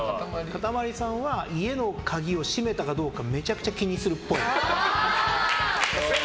かたまりさんは家の鍵を閉めたかめちゃくちゃ気にするっぽい。